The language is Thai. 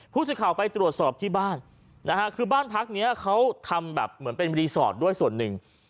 ผู้สื่อข่าวไปตรวจสอบที่บ้านนะฮะคือบ้านพักนี้เขาทำแบบเหมือนเป็นรีสอร์ทด้วยส่วนหนึ่ง